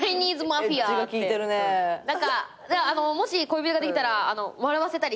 もし恋人ができたら笑わせたりしますか？